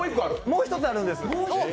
もう一つあるんです。